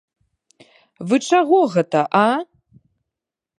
Вы чаго гэта, а?